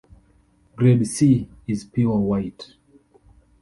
Grade C is pure white.